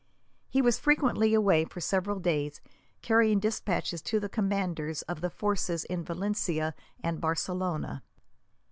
He was frequently away for several days, carrying despatches to the commanders of the forces in Valencia and Barcelona.